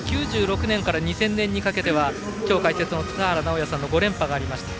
９６年から２０００年にかけては今日解説の塚原直也さんの５連覇がありました。